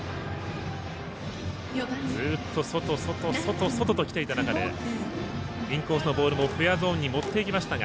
ずっと外、外、外、外ときていた中でインコースのボールもフェアゾーンに持っていきましたが。